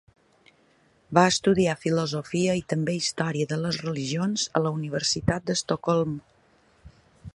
Va estudiar Filosofia i també Història de les religions a la Universitat d'Estocolm.